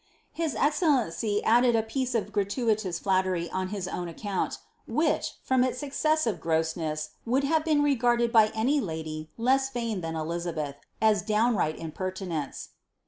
' Hi!> excellency ailded a piece of gratuitous flattery on liisown orcoant, which, from its eicesnive gros*npaiL would hare be«u regarded by any lady less vain than Blizabeih, ^..jii.^hi im pertinence.